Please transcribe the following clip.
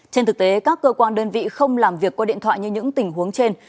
trên thực tế các cơ quan đơn vị không làm việc qua điện thoại như những tình huống trên